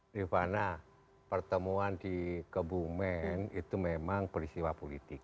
rifana pertemuan di kebumen itu memang peristiwa politik